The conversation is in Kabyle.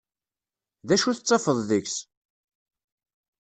D acu tettafeḍ deg-s.